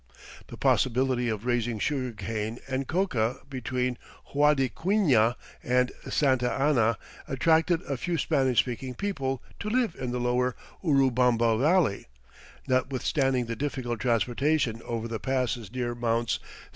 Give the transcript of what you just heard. The possibility of raising sugar cane and coca between Huadquiña and Santa Ana attracted a few Spanish speaking people to live in the lower Urubamba Valley, notwithstanding the difficult transportation over the passes near Mts.